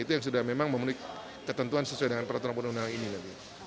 itu yang sudah memang memiliki ketentuan sesuai dengan peraturan penelunangan ini